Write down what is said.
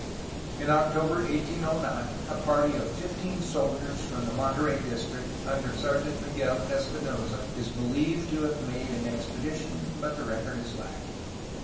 In October 1809 a party of fifteen soldiers from the Monterey district under Sergeant Miguel Espinosa is be lieved to have made an expedition, but the record is lacking.